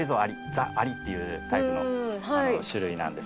「ザ・アリ」っていうタイプの種類なんですけど。